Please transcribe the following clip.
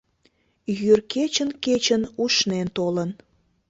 Йӱр кечын-кечын ушнен толын.